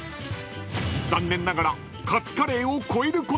［残念ながら］